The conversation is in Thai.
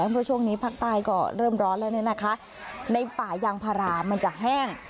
เพราะช่วงนี้ภาคใต้ก็เริ่มร้อนแล้วเนี่ยนะคะในป่ายางพารามันจะแห้ง